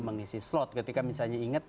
mengisi slot ketika misalnya ingat